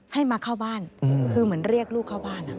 แล้วก็พวกเบนแม่หลังจากนั้นก็เลยเรียกลูกกลับบ้าน